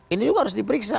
ini juga harus diperiksa